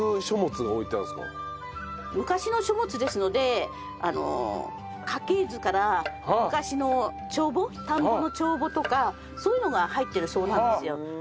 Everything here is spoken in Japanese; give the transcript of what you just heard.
昔の書物ですのであの家系図から昔の帳簿田んぼの帳簿とかそういうのが入ってるそうなんですよ。